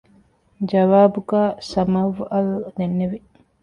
ޖަވާބުގައި ސަމަވްއަލް ދެންނެވި